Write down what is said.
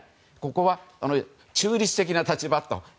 ここは中立的な立場と。